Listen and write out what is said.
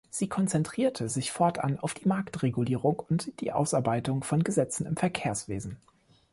Sie konzentrierte sich fortan auf die Marktregulierung und die Ausarbeitung von Gesetzen im Verkehrswesen.